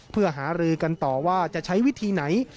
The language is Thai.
เพื่อหารือกันต่อว่าจะใช้วิธีไหน